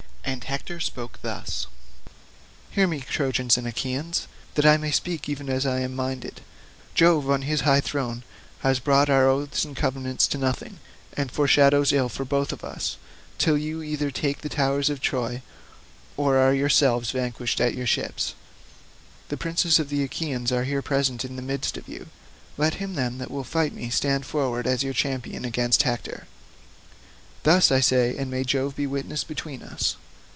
And Hector spoke thus:— "Hear me, Trojans and Achaeans, that I may speak even as I am minded; Jove on his high throne has brought our oaths and covenants to nothing, and foreshadows ill for both of us, till you either take the towers of Troy, or are yourselves vanquished at your ships. The princes of the Achaeans are here present in the midst of you; let him, then, that will fight me stand forward as your champion against Hector. Thus I say, and may Jove be witness between us.